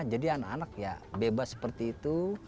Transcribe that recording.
jadi anak anak ya bebas seperti itu